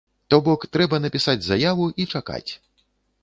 То бок, трэба напісаць заяву і чакаць.